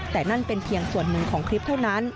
แต่นั่นเป็นเพียงส่วนหนึ่งของคลิปเท่านั้น